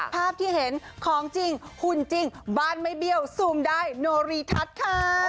ภาพที่เห็นของจริงหุ่นจริงบ้านไม่เบี้ยวซูมได้โนรีทัศน์ค่ะ